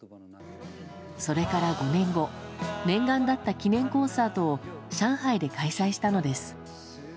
それから５年後念願だった記念コンサートを上海で開催したのです。